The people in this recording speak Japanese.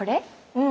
うん。